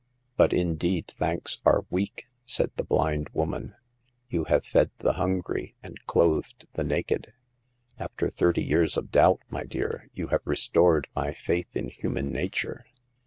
" But indeed thanks are weak," said the blind woman ;" you have fed the hungry and clothe4 the naked. After thirty years of doubt, my dear, you have restored my faith in human nature."